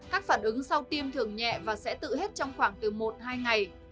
các phản ứng sau tiêm thường nhẹ và sẽ tự hết trong khoảng từ một hai ngày